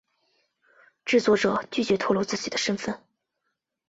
制作者拒绝透露自己的身份。